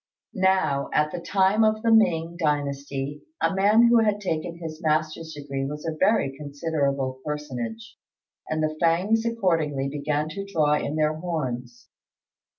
Now, at the time of the Ming dynasty a man who had taken his master's degree was a very considerable personage, and the Fêngs accordingly began to draw in their horns.